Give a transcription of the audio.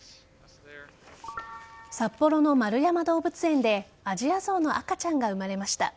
札幌の円山動物園でアジアゾウの赤ちゃんが生まれました。